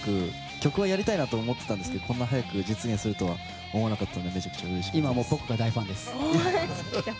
曲早くたいと思ってたんですがこんなに早く実現するとは思わなかったのでめちゃくちゃうれしいです。